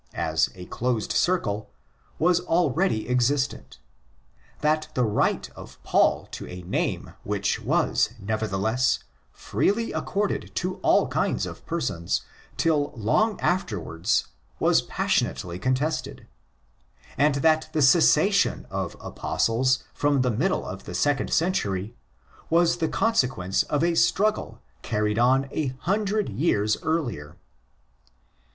as a closed circle was already existent; that the right of Paul to a name which was, nevertheless, freely accorded to all kinds of persons till long afterwards was passionately contested ; and that the cessation of '' Apostles' from the middle of the second century was the consequence of a struggle earried on a hundred years earlier.